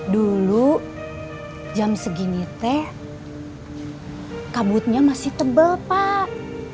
dulu jam segini teh kabutnya masih tebal pak